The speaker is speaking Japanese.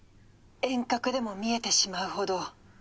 遠隔でも視えてしまうほど。